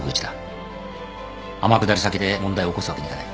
天下り先で問題を起こすわけにはいかない。